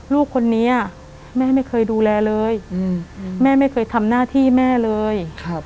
ลูกคนนี้แม่ไม่เคยดูแลเลย